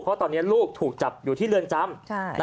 เพราะตอนนี้ลูกถูกจับอยู่ที่เรือนจำ